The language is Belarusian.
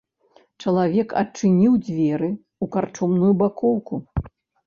Чалавек адчыніў дзверы ў карчомную бакоўку.